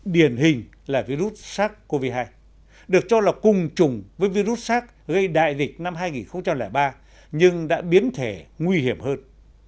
điển hình là virus sars cov hai được cho là cùng chủng với virus sars gây đại dịch năm hai nghìn ba nhưng đã biến thể nguy hiểm hơn